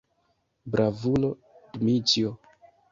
Bravulo, Dmiĉjo!